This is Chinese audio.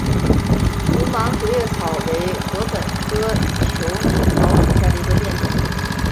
无芒竹叶草为禾本科求米草属下的一个变种。